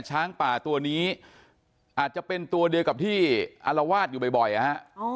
ช้างป่าตัวนี้อาจจะเป็นตัวเดียวกับที่อารวาสอยู่บ่อยนะฮะ